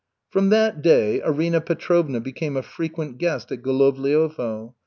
From that day Arina Petrovna became a frequent guest at Golovliovo.